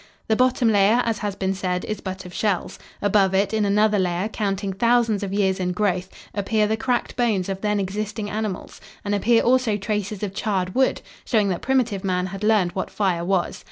The bottom layer, as has been said, is but of shells. Above it, in another layer, counting thousands of years in growth, appear the cracked bones of then existing animals and appear also traces of charred wood, showing that primitive man had learned what fire was.